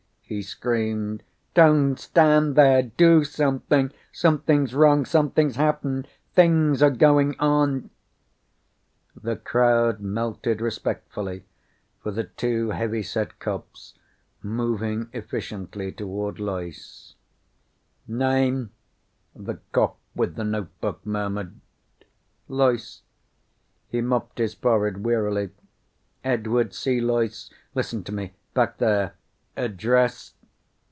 he screamed. "Don't stand there! Do something! Something's wrong! Something's happened! Things are going on!" The crowd melted respectfully for the two heavy set cops moving efficiently toward Loyce. "Name?" the cop with the notebook murmured. "Loyce." He mopped his forehead wearily. "Edward C. Loyce. Listen to me. Back there " "Address?"